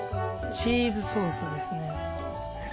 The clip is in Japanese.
チーズソースですね。